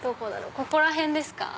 ここら辺ですか？